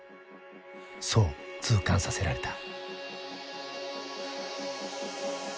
そう痛感させられた。